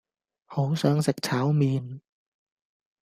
好想食炒麵